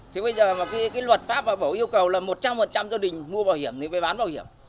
thế bây giờ mà cái luật pháp và bảo yêu cầu là một trăm linh gia đình mua bảo hiểm thì về bán bảo hiểm